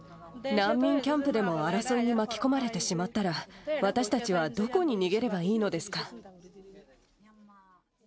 難民キャンプでも争いに巻き込まれてしまったら、私たちはどこに逃げればいいのですか？